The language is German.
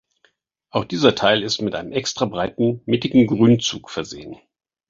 Auch dieser Teil ist mit einem extra breiten mittigen Grünzug versehen.